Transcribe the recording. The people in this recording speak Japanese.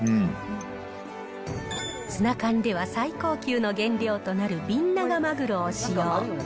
ツナ缶では最高級の原料となるビンナガマグロを使用。